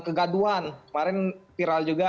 kegaduan kemarin viral juga